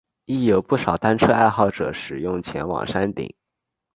亦有不少单车爱好者使用前往山顶。